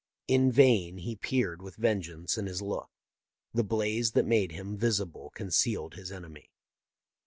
In vain he peered, with vengeance in his look ; the blaze that made him visible concealed his enemy.